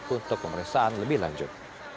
untuk pemeriksaan lebih lanjut